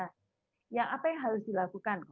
nah apa yang harus dilakukan